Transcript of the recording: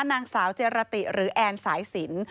นางสาวเจรติหรือแอนสายสิน